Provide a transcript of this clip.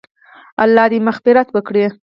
الله دې مغفرت وکړي -